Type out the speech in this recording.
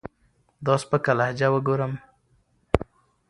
دا سپکه لهجه اوګورم